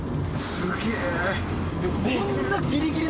すげえ！